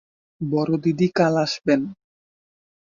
বড়দিদি কাল আসবেন।